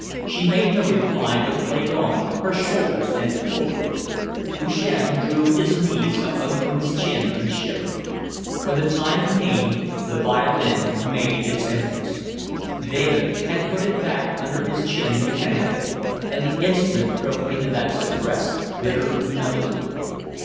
She made no reply, but played on, her shoulders bent forward. Lucien drew his knees up under his chin and shivered. When the time came, the violin made its entrance. David had put it back under his chin mechanically, and the instrument broke into that suppressed, bitter melody.